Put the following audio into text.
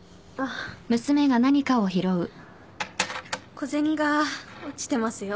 小銭が落ちてますよ。